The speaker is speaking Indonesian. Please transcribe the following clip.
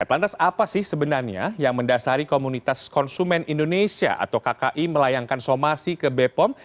lantas apa sih sebenarnya yang mendasari komunitas konsumen indonesia atau kki melayangkan somasi ke bepom